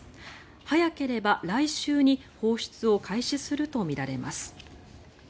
早ければ来週に放出を開始するとみられます。